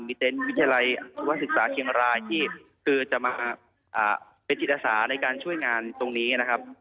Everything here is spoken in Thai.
มีเต็นต์วิทยาลัยวศึกษาเชียงรายที่คือจะมาเป็นจิตอาสาในการช่วยงานตรงนี้นะครับ